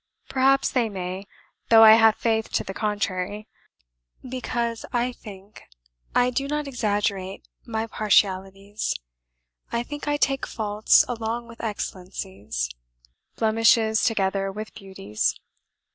"Perhaps they may though I have faith to the contrary, because, I THINK, I do not exaggerate my partialities; I THINK I take faults along with excellences blemishes together with beauties.